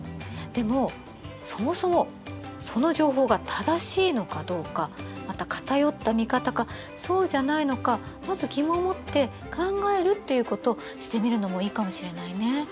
でもそもそもその情報が正しいのかどうかまた偏った見方かそうじゃないのかまず疑問を持って考えるっていうことしてみるのもいいかもしれないね。